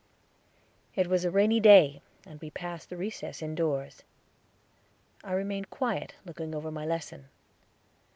It was a rainy day, and we passed the recess indoors. I remained quiet, looking over my lesson.